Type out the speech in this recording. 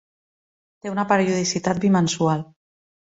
Té una periodicitat bimensual.